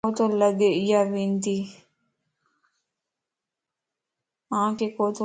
مانک ڪو تو لڳ اياوندي